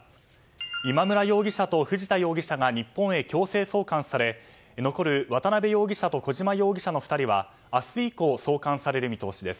今村容疑者と藤田容疑者が日本へ強制送還され残る渡辺容疑者と小島容疑者の２人は明日以降、送還される見通しです。